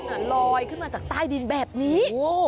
ขังอยู่มีควันลอยขึ้นมาจากใต้ดินแบบนี้